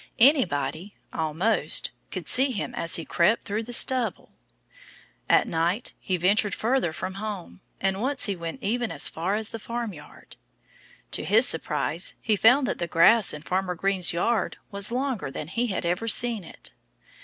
Anybody, almost, could see him as he crept through the stubble. At night he ventured further from home. And once he went even as far as the farmyard. To his surprise he found that the grass in Farmer Green's yard was longer than he had ever seen it.